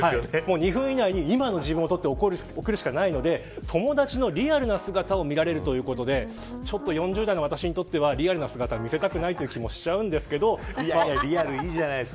２分以内に今の自分を撮って送るしかないので友達のリアルな姿を見られるということで４０代の私にとっては、リアルな姿は見せたくない気持ちもするんですけどリアル、いいじゃないですか。